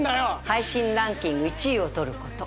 配信ランキング１位をとること